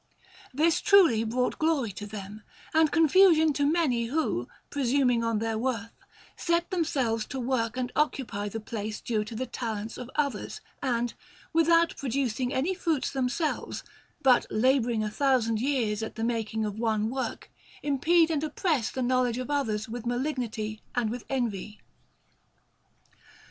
This truly brought glory to them, and confusion to many who, presuming on their worth, set themselves to work and occupy the place due to the talents of others, and, without producing any fruits themselves, but labouring a thousand years at the making of one work, impede and oppress the knowledge of others with malignity and with envy.